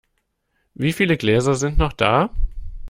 Wieviele Gläser sind noch da?